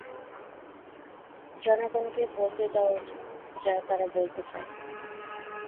জনগণকে বলতে দেওয়া উচিত যা তারা বলতে চায়।